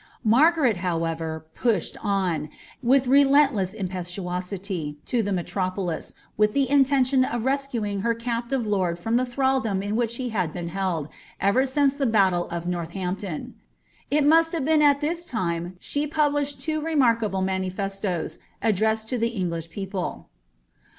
Hargareti howerer, pushed on, with resistless impetuosity, to the me tropolis, with the intention of rescuing her captive lord from the thral dom in which he had been held, ever since the battle of Northampton. h must have been at this time she published two remarkable manifestoes, addrened to the English people.